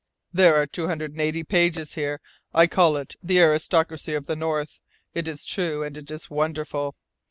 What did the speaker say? There are two hundred and eighty pages here. I call it 'The Aristocracy of the North.' It is true and it is wonderful!